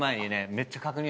めっちゃ確認。